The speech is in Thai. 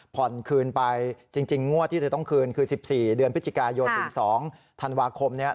ผ่อนคืนไปจริงงวดที่เธอต้องคืนคือ๑๔เดือนพฤศจิกายนถึง๒ธันวาคมเนี่ย